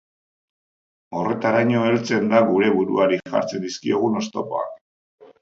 Horretaraino heltzen da gure buruari jartzen dizkion oztopoak.